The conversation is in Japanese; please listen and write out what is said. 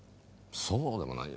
そうでもないよ。